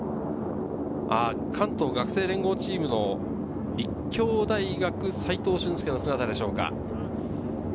関東学生連合チームの立教大学・斎藤俊輔の姿でしょうか。